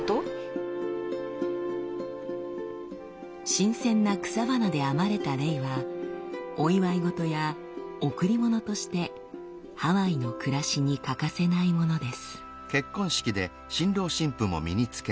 新鮮な草花で編まれたレイはお祝い事や贈り物としてハワイの暮らしに欠かせないものです。